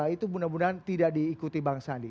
itu mudah mudahan tidak diikuti bang sandi